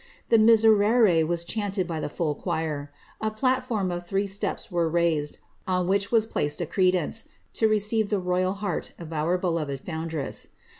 The Bliserere was chaunted by the full choir; a platform of three steps was raised, on which was placed a credaneCj to receive the royal heart of our beloved foundress.